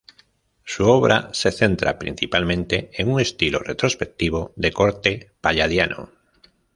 Su obra se centra principalmente en un estilo retrospectivo de corte palladiano.